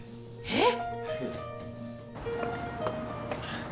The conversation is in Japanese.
えっ！？